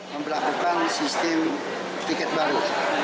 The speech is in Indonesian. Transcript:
memperlakukan sistem tiket baru